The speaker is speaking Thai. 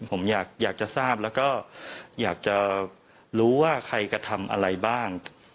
ผมอยากจะทราบแล้วก็อยากจะรู้ว่าใครกระทำอะไรบ้าง